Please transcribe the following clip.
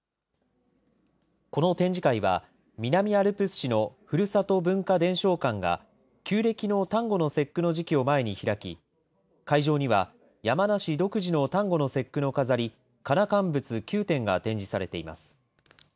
この展示会は、南アルプス市のふるさと文化伝承館が旧暦の端午の節句の時期を前に開き、会場には山梨独自の端午の節句の飾り、かなかんぶつ９点が展示されています。